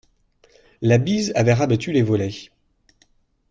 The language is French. La bise avait rabattu les volets.